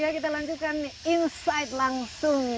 kita lanjutkan insight langsung